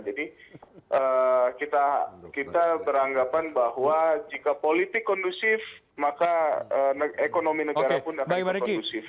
jadi kita kita beranggapan bahwa jika politik kondusif maka ekonomi negara pun akan kondusif